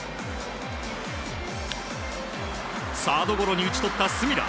サードゴロに打ち取った隅田。